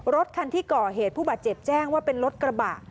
รถคันที่ก่อเหตุผู้บาดเจ็บแจ้งว่าเป็นรถกระบะ